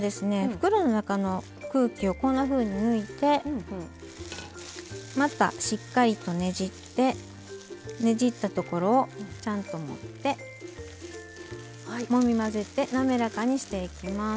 袋の中の空気をこんなふうに抜いてまたしっかりとねじってねじったところをちゃんと持ってもみ混ぜて滑らかにしていきます。